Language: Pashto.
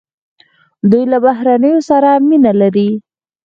دوی له بهرنیانو سره مینه لري.